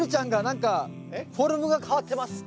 フォルムが変わってます。